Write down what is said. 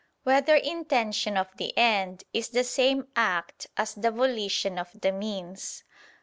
4] Whether Intention of the End Is the Same Act As the Volition of the Means?